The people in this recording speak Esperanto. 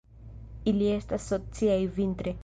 Ili estas sociaj vintre.